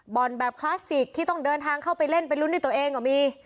แบบคลาสสิกที่ต้องเดินทางเข้าไปเล่นไปลุ้นด้วยตัวเองก็มี